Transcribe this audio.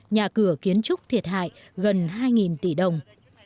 nhà cửa kiến trúc thiệt hại gần hai tỷ đồng